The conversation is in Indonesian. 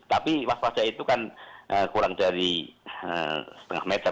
tapi waspada itu kan kurang dari setengah meter